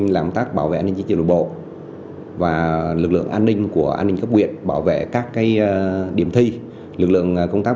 làm tác bảo vệ an ninh trở tự bộ và lực lượng an ninh của an ninh cấp quyền bảo vệ các điểm thi lực lượng công tác